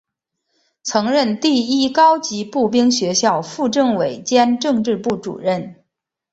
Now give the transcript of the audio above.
曾任第一高级步兵学校副政委兼政治部主任。